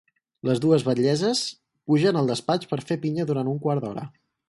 Les dues batllesses pugen al despatx per fer pinya durant un quart d’hora.